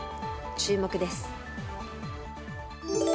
注目です。